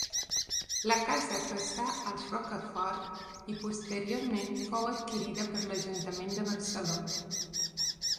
La casa passà als Rocafort i posteriorment fou adquirida per l'ajuntament de Barcelona.